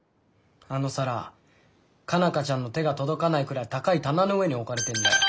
あの皿佳奈花ちゃんの手が届かないくらい高い棚の上に置かれてんだよ。